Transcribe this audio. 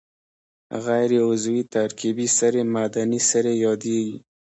غیر عضوي ترکیبي سرې معدني سرې یادیږي.